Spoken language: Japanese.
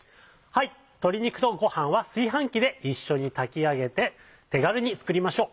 はい鶏肉とごはんは炊飯器で一緒に炊き上げて手軽に作りましょう。